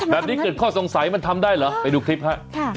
แบบนี้เกิดข้อสงสัยมันทำได้เหรอไปดูคลิปฮะ